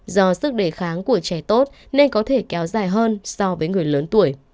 do sức đề kháng của trẻ tốt nên có thể kéo dài hơn so với người lớn tuổi